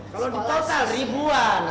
kalau di total ribuan